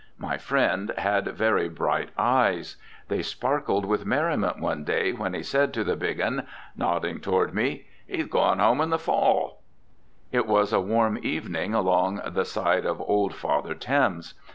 My friend had very bright eyes. They sparkled with merriment one day when he said to the big un, nodding toward me, "He's going 'ome in the fall." It was a warm evening along the side of old Father Thames.